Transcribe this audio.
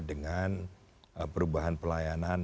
dengan perubahan pelayanan